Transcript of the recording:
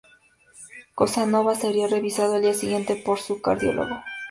Casanova sería revisado al día siguiente por su cardiólogo.